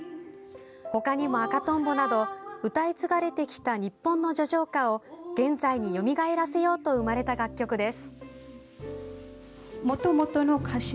他にも「赤とんぼ」など歌い継がれてきた日本の叙情歌を現在に、よみがえらせようと生まれた楽曲です。